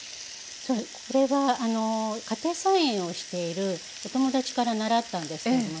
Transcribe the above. これは家庭菜園をしているお友達から習ったんです。